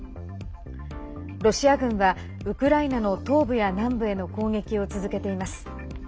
ロシア軍はウクライナの東部や南部への攻撃を続けています。